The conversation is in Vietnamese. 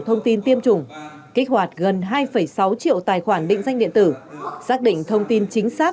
thông tin tiêm chủng kích hoạt gần hai sáu triệu tài khoản định danh điện tử xác định thông tin chính xác